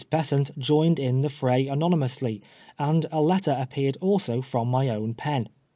Besant joined in the fray anonymously, and a letter appeared fldso from my own pen.